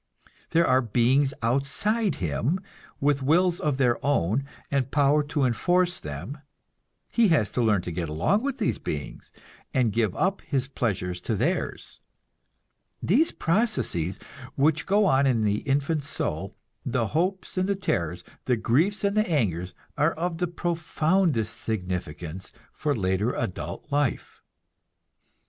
There are beings outside him, with wills of their own, and power to enforce them; he has to learn to get along with these beings, and give up his pleasures to theirs. These processes which go on in the infant soul, the hopes and the terrors, the griefs and the angers, are of the profoundest significance for the later adult life.